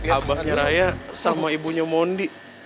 abahnya raya sama ibunya mondi